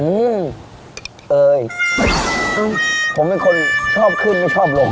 อืมเอ่ยอืมผมเป็นคนชอบขึ้นไม่ชอบลง